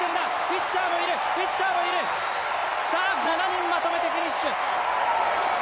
７人まとめてフィニッシュ。